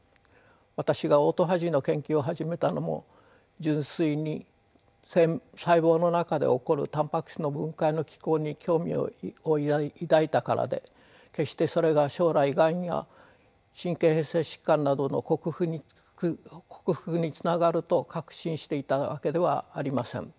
私がオートファジーの研究を始めたのも純粋に細胞の中で起こるタンパク質の分解の機構に興味を抱いたからで決してそれが将来がんや神経変性疾患などの克服につながると確信していたわけではありません。